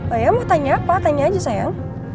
oh ya mau tanya apa tanya aja sayang